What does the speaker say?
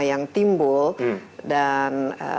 yang timbul dan